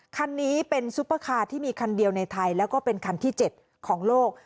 คันนี้เป็นซุปเปอร์คาร์ที่มีคันเดียวในไทยแล้วก็เป็นคันที่๗ของโลก